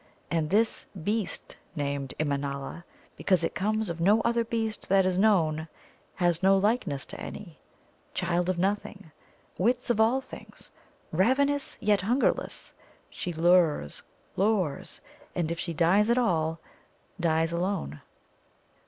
And this Beast they name Immanâla because it comes of no other beast that is known, has no likeness to any. Child of nothing, wits of all things, ravenous yet hungerless, she lures, lures, and if she die at all, dies alone.